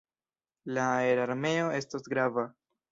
La aerarmeo estos grava.